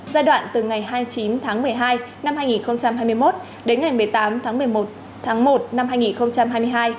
giai đoạn từ ngày hai mươi chín tháng một mươi hai năm hai nghìn hai mươi một đến ngày một mươi tám tháng một mươi một tháng một năm hai nghìn hai mươi hai